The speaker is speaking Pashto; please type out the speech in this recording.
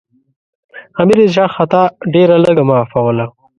امیر د چا خطا ډېره لږه معافوله.